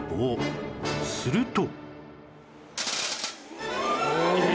すると